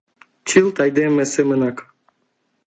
Чылт айдеме семынак.